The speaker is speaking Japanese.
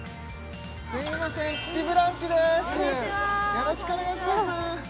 よろしくお願いします